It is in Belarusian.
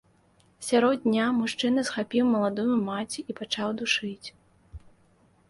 Сярод дня мужчына схапіў маладую маці і пачаў душыць.